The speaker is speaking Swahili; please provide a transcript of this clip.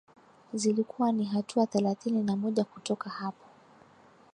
Zilikuwa ni hatua thelathini na moja kutoka hapo